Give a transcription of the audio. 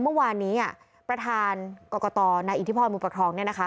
เมื่อวานนี้ประธานกรกตนายอิทธิพรมูประครองเนี่ยนะคะ